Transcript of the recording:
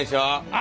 あ！